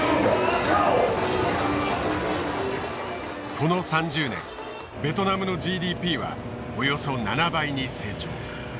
この３０年ベトナムのＧＤＰはおよそ７倍に成長。